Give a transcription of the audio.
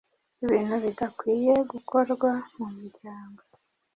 Ibintu bidakwiye gukorwa mu muryango.